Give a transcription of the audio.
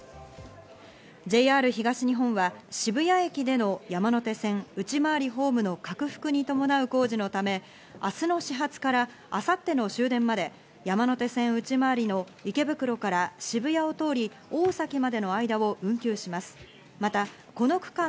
ＪＲ東日本は渋谷駅での山手線内回りホームの拡幅に伴う工事のため、明日の始発から明後日の終電まで、山手線内回りの池袋から渋谷を通り、大崎までの間を運休します。